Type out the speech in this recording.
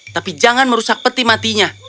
tapi jangan merusak peti matinya